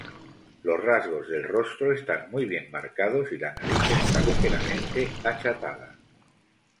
Los rasgos del rostro están muy bien marcados y la nariz está ligeramente achatada.